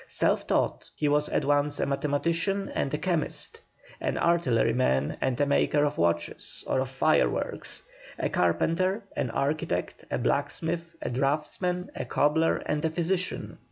Self taught, he was at once a mathematician and a chemist, an artilleryman and a maker of watches or of fireworks, a carpenter, an architect, a blacksmith, a draughtsman, a cobbler, and a physician.